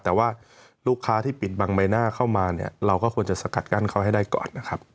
แต่ว่าลูกค้าที่ปิดบังใบหน้าเข้ามาเนี่ยเราก็ควรจะสกัดกั้นเขาให้ได้ก่อนนะครับ